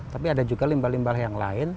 tapi ada juga limbah limbah yang lain